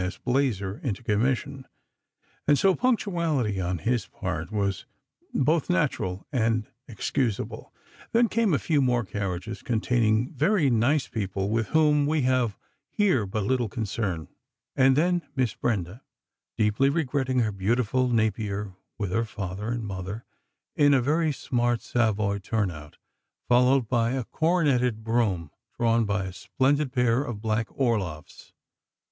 S. Blazer into commission, and so punctuality on his part was both natural and excusable. Then came a few more carriages containing very nice people with whom we have here but little concern; and then Miss Brenda, deeply regretting her beautiful Napier, with her father and mother in a very smart Savoy turn out followed by a coronetted brougham drawn by a splendid pair of black Orloffs.